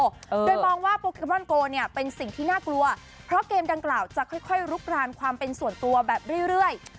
โดยมองว่าโปเกมอนโกเนี่ยเป็นสิ่งที่น่ากลัวเพราะเกมดังกล่าวจะค่อยค่อยลุกรานความเป็นส่วนตัวแบบเรื่อยเรื่อย